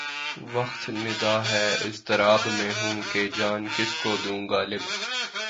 وقت نِدا ہے اضطراب میں ہوں کہ جان کس کو دوں غالب